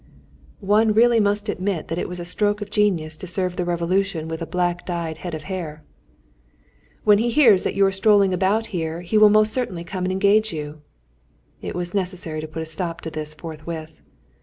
One really must admit that it was a stroke of genius to serve the Revolution with a black dyed head of hair! "When he hears that you are strolling about here he will most certainly come and engage you." It was necessary to put a stop to this forthwith.